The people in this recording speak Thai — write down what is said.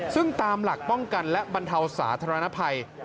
ซึ่งตามหลักป้องกันและบรรเทาสาธารณภัย